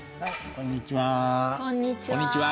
こんにちは。